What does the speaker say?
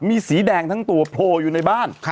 มีสีแดงทั้งตัวโผล่อยู่ในบ้าน